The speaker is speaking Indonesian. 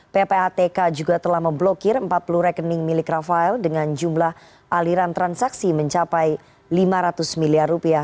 ppatk juga telah memblokir empat puluh rekening milik rafael dengan jumlah aliran transaksi mencapai lima ratus miliar rupiah